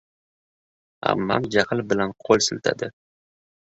— Ammam jahl bilan qo’l siltadi.